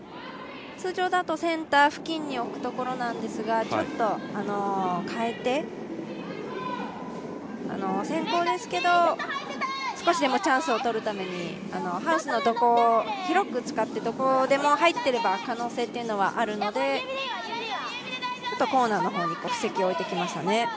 通常だとセンター付近に置くところなんですが、ちょっと変えて先攻ですけど、少しでもチャンスをとるためにハウスのところ、広く使って、どこでも入ってれば可能性というのはあるので、ちょっとコーナーの方に布石を置いてきましたね。